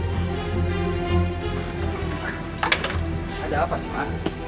ada apa sih ma